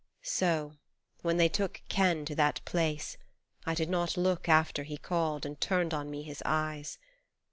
So, when they took Ken to that place, I did not look After he called and turned on me His eyes.